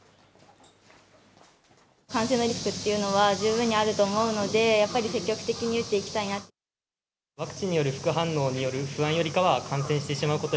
感染のリスクっていうのは十分にあると思うので、やっぱり積極的に打っていきたいなと。